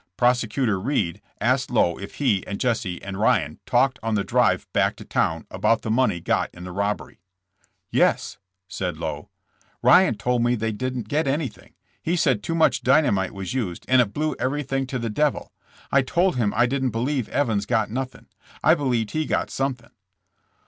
Prosecutor Reed asked Lowe if he and Jesse and Ryan talked on the drive back to town about the money got in the robbery. Yes,'' said Lowe; Ryan told me they didn't get anything. He said too much dynamite was used and it blew everything to the devil. I told him I didn't believe Evans got nothing. I believed he got something.